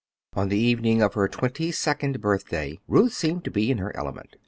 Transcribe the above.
On this evening of her twenty second birthday, Ruth seemed to be in her element.